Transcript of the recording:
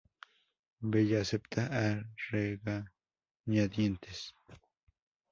Bella acepta a regañadientes.